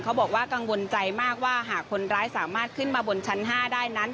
บอกว่ากังวลใจมากว่าหากคนร้ายสามารถขึ้นมาบนชั้น๕ได้นั้น